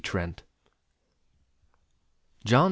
TRENT John C.